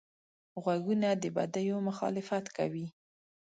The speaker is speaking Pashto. غوږونه د بدیو مخالفت کوي